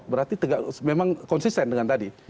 berarti memang konsisten dengan tadi